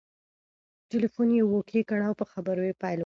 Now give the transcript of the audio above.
ټلیفون یې اوکې کړ او په خبرو یې پیل وکړ.